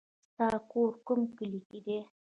ستا کور کوم کلي کې دی